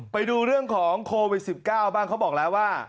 ไปดูเรื่องของโควิด๑๙บ้างเขาบอกแล้วว่า